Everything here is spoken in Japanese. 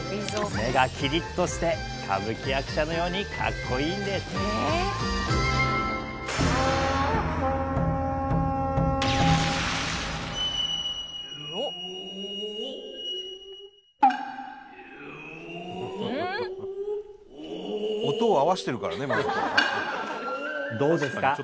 目がキリッとして歌舞伎役者のようにカッコいいんですどうですか？